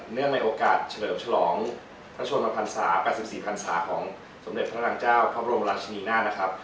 เนื่องในโอกาสเฉลิมฉลองท่านชนมพันศา๘๔พันศาของสมเด็จพระนางเจ้าพระบรมราชนีนา